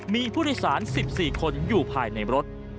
มีผู้โดยสาร๑๔คนอยู่ภายในรถ